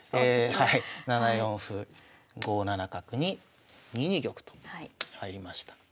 ７四歩５七角に２二玉と入りました。